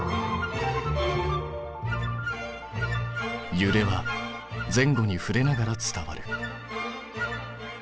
ゆれは前後にふれながら伝わる。